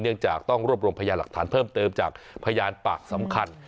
จากต้องรวบรวมพยาหลักฐานเพิ่มเติมจากพยานปากสำคัญ